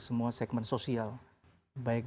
semua segmen sosial baik